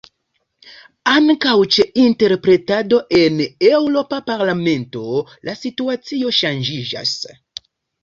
Ankaŭ ĉe interpretado en la Eŭropa Parlamento la situacio ŝanĝiĝas.